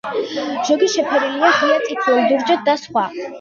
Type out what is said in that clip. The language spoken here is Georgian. ზოგი შეფერილია ღია წითლად, ლურჯად და სხვა.